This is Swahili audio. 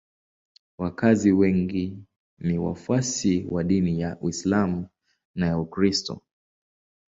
Wakazi wengi ni wafuasi wa dini ya Uislamu na ya Ukristo.